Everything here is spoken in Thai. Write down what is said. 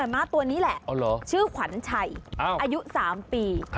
ม้าตัวนี้แหละชื่อขวัญชัยอายุ๓ปี